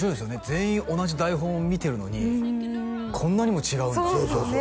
全員同じ台本を見てるのにこんなにも違うんだとかそうですね